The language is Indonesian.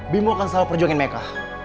bimo akan selalu perjuangan meka